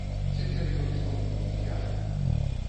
Цяпер ён зноў быў п'яны.